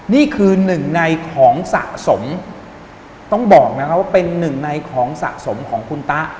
นี่คือหนึ่งในของสะสมต้องบอกนะครับว่าเป็นหนึ่งในของสะสมของคุณตะ